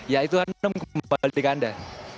ya itu hanum kembali ke anda